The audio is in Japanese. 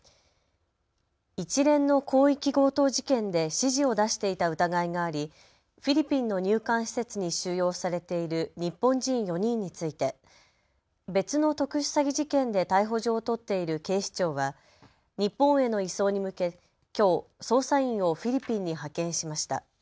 一連の広域強盗事件で指示を出していた疑いがありフィリピンの入管施設に収容されている日本人４人について別の特殊詐欺事件で逮捕状を取っている警視庁は日本への移送に向け、きょう捜査員をフィリピンに派遣しました。